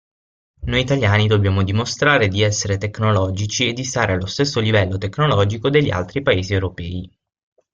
Noi italiani dobbiamo dimostrare di essere tecnologici e di stare allo stesso livello tecnologico degli altri paesi europei.